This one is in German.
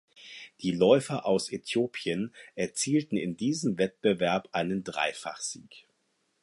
Die Läufer aus Äthiopien erzielten in diesem Wettbewerb einen Dreifachsieg.